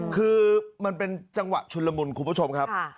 คือมันเป็นจังหวะชุนละมุนคุณผู้ชมครับ